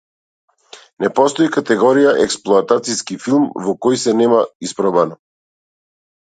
Не постои категорија експлоатациски филм во која се нема испробано.